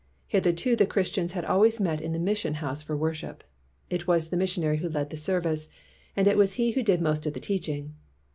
Hitherto the Christians had always met in the mission house for worship. It was the missionary who led in the service, and it was he who did most of the teaching.